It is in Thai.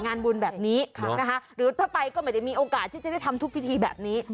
งานบุญแบบนี้นะคะหรือถ้าไปก็ไม่ได้มีโอกาสที่จะได้ทำทุกพิธีแบบนี้